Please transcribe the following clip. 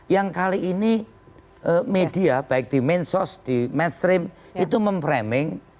yang kali ini media baik di mensos di mainstream itu memframing